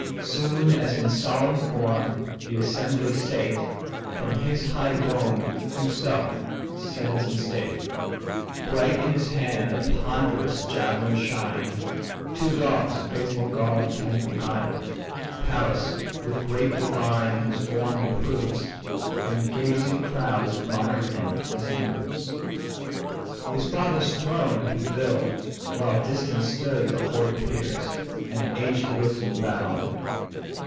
Soon as in solemn form the assembly sate, From his high dome himself descends in state. Bright in his hand a ponderous javelin shined; Two dogs, a faithful guard, attend behind; Pallas with grace divine his form improves, And gazing crowds admire him as he moves, His father's throne he fill'd; while distant stood The hoary peers, and aged wisdom bow'd.